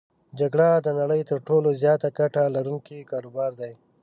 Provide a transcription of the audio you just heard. جګړه د نړی تر ټولو زیاته ګټه لرونکی کاروبار دی.